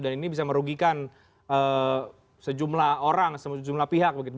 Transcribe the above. dan ini bisa merugikan sejumlah orang sejumlah pihak begitu